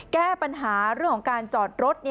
แก้ปัญหาเรื่องของการจอดรถ